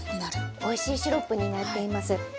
おいしいシロップになっています。